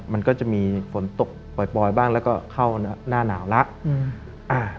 มันก็จะมีฝนตกปล่อยบ้างแล้วก็เข้าหน้าหนาวแล้ว